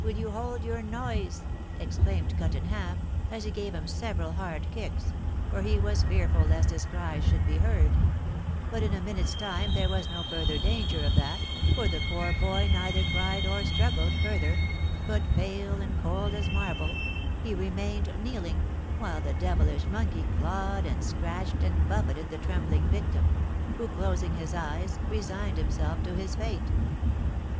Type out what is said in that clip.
'Will you hold your noise?' exclaimed Cut in Half, as he gave him several hard kicks, for he was fearful lest his cries should be heard; but in a minute's time there was no further danger of that, for the poor boy neither cried or struggled further, but pale and cold as marble, he remained kneeling, while the devilish monkey clawed and scratched and buffeted the trembling victim, who, closing his eyes, resigned himself to his fate.